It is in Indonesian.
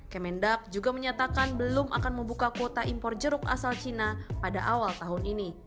kemendak juga menyatakan belum akan membuka kuota impor jeruk asal cina pada awal tahun ini